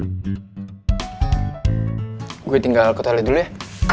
gue tinggal ke tali dulu ya